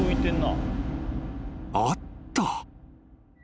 ［あった］